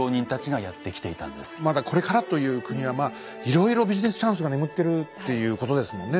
まだこれからという国はまあいろいろビジネスチャンスが眠ってるっていうことですもんね。